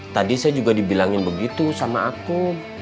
tadi saya juga dibilangin begitu sama aku